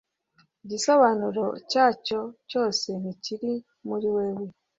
Igisobanuro cyacyo cyose ntikiri muri wewe